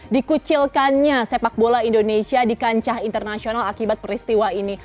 dikucilkannya sepak bola indonesia di kancah internasional akibat peristiwa ini